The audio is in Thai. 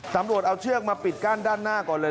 ตำรวจเอาเชือกมาปิดกั้นด้านหน้าก่อนเลย